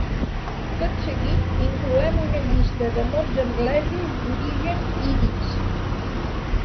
Tot seguit incloem una llista de mots anglesos d'origen ídix.